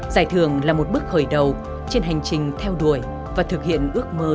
giải thưởng là một bước khởi đầu trên hành trình theo đuổi và thực hiện ước mơ sau ngày của chị